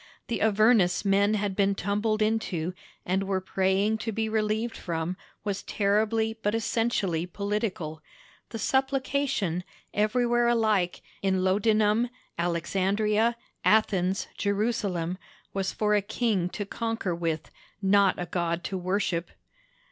The Avernus men had been tumbled into, and were praying to be relieved from, was terribly but essentially political. The supplication—everywhere alike, in Lodinum, Alexandria, Athens, Jerusalem—was for a king to conquer with, not a god to worship.